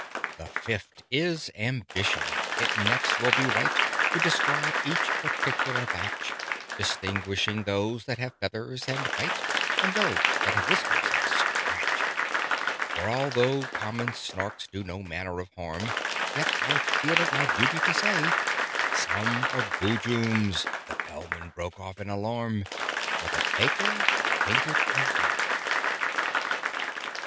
"The fifth is ambition. It next will be right To describe each particular batch: Distinguishing those that have feathers, and bite, And those that have whiskers, and scratch. "For, although common Snarks do no manner of harm, Yet, I feel it my duty to say, Some are Boojums " The Bellman broke off in alarm, For the Baker had fainted away.